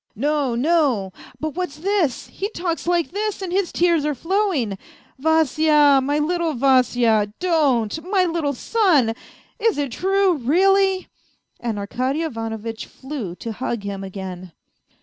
" No, no ... but what's this ? He talks like this and his tears are flowing. ... Vasya, my little Vasya, don't, my little son ! Is it true, really ?" And Arkady Ivanovitch flew to hug him again.